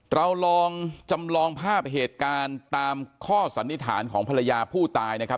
เราลองจำลองภาพเหตุการณ์ตามข้อสันนิษฐานของภรรยาผู้ตายนะครับ